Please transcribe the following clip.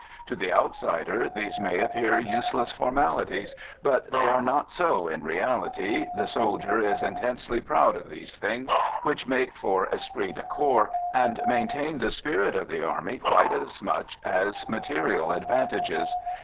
To the outsider, these may appear useless formalities, but they are not so in reality; the soldier is intensely proud of these things, which make for esprit de corps and maintain the spirit of the Army quite as much as material advantages.